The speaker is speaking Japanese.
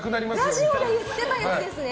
ラジオで言ってたやつですね。